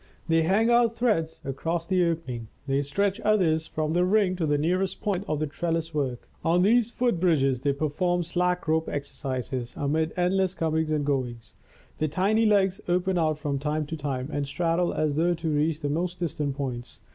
They hang out threads across the openings they stretch others from the ring to the nearest points of the trellis work. On these foot bridges they perform slack rope exercises amid endless comings and goings. The tiny legs open out from time to time and straddle as though to reach the most distant points.